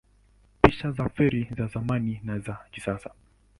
Picha za feri za zamani na za kisasa